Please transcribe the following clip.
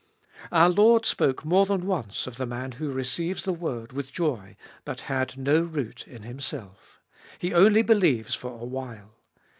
Our Lord spoke more than once of the man who receives the word with joy, but had no root in himself: he only believes for a while.